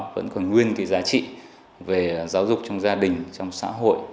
vẫn còn nguyên cái giá trị về giáo dục trong gia đình trong xã hội